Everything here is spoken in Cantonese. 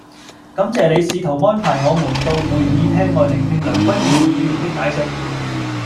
感謝你試圖安排我們到會議廳外聆聽梁君彥議員的解釋